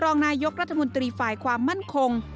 รองนายกรัฐมนตรีฝ่ายความมั่นคง